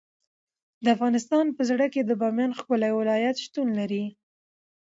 د افغانستان په زړه کې د بامیان ښکلی ولایت شتون لري.